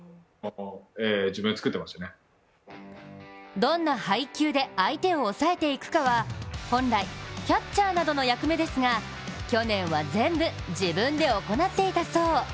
どんな配球で相手を抑えていくかは、本来、キャッチャーなどの役目ですが、去年は全部、自分で行っていたそう。